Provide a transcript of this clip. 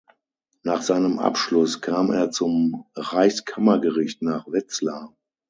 Nach seinem Abschluss kam er zum Reichskammergericht nach Wetzlar.